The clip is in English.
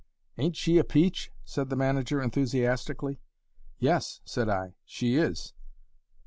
"Ain't she a peach?" said the manager, enthusiastically. "Yes," said I, "she is.